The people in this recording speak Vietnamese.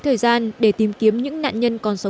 thời gian để tìm kiếm những nạn nhân